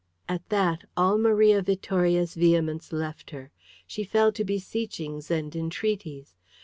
At that all Maria Vittoria's vehemence left her. She fell to beseechings and entreaties.